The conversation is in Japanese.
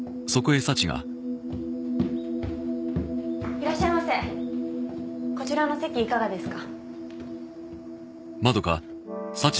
いらっしゃいませこちらの席いかがですか？